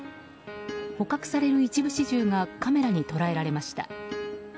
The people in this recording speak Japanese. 捕獲される一部始終がカメラに捉えられました。